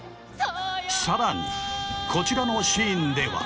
さらにこちらのシーンでは。